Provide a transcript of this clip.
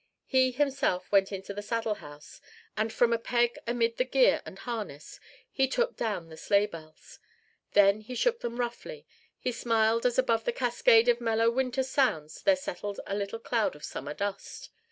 He himself went into the saddle house and from a peg amid the gear and harness he took down the sleighbells. As he shook them roughly, he smiled as above that cascade of mellow winter sounds there settled a little cloud of summer dust.